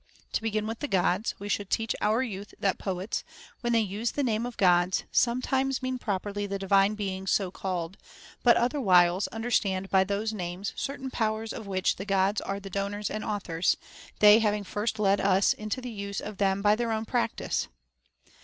To begin with the Gods, we should teach our youth that poets, when they use the names of Gods, sometimes mean properly the Divine Beings so called, but otherwhiles understand by those names certain powers of which the Gods are the donors and authors, they having first led us into the use of them by their own practice.